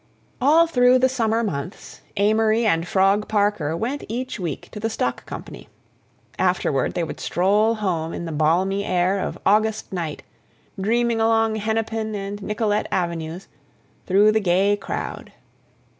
All through the summer months Amory and Frog Parker went each week to the Stock Company. Afterward they would stroll home in the balmy air of August night, dreaming along Hennepin and Nicollet Avenues, through the gay crowd.